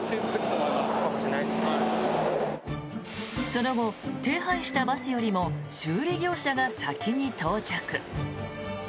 その後、手配したバスよりも修理業者が先に到着。